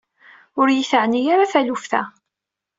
Ur yi-teɛni ara taluft-a.